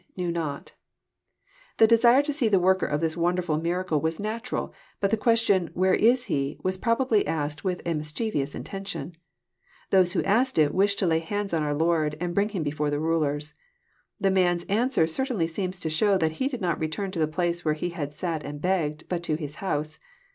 know not,'] The desire to •see the worker of this wonderfhl miracle was natnral, bnt the question, '* Where is He?" was probably asked with a mis chievous intention. Those who asked it wished to lay hands on our Lord, and bring Him before this rulers. The man's an swer certainly seems to show that he did not return to the place where he had sat and begged, but to his house.